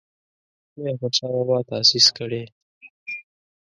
لوی احمدشاه بابا تاسیس کړی.